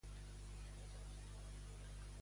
Quins temes vol tractar Torra?